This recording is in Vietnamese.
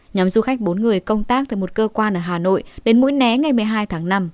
nhóm du khách bốn người công tác tại một cơ quan ở hà nội đến mũi né ngày một mươi hai tháng năm